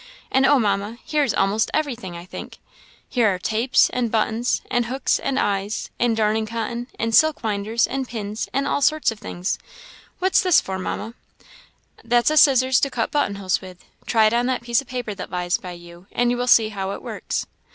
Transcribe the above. And oh, Mamma! here is almost everything, I think here are tapes, and buttons, and hooks and eyes, and darning cotton, and silk winders, and pins, and all sorts of things. What's this for, Mamma?" "That's a scissors to cut button holes with. Try it on that piece of paper that lies by you, and you will see how it works."